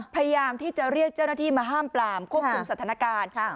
พยายามที่จะเรียกเจ้าหน้าที่มาห้ามปลามควบคุมสถานการณ์